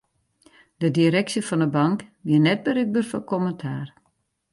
De direksje fan 'e bank wie net berikber foar kommentaar.